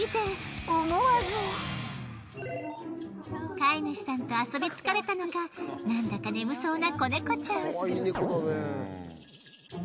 飼い主さんと遊び疲れたのかなんだか眠そうな子猫ちゃん。